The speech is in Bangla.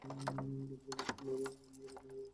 আবার বলছি, আমরা উল্টো হয়ে উড়ছি।